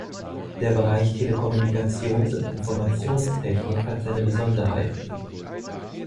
Der Bereich Telekommunikations- und Informationstechnik hat seine Besonderheiten.